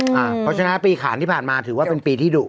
เพราะฉะนั้นปีขานที่ผ่านมาถือว่าเป็นปีที่ดุ